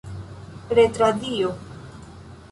retradio